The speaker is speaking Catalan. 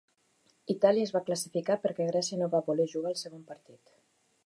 Itàlia es va classificar perquè Grècia no va voler jugar el segon partit.